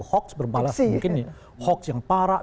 hoax berbalas mungkin hoax yang parah